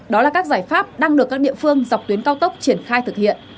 đó là các giải pháp đang được các địa phương dọc tuyến cao tốc triển khai thực hiện